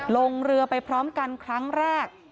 ลงเรือไปพร้อมกันครั้งแรก